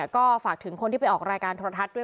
ก็ฝากถึงคนที่ไปออกรายการโทรทัศน์ด้วย